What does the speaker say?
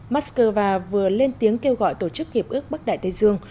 moscow vừa lên tiếng kêu gọi tổ chức hiệp ước bắc đại tây dương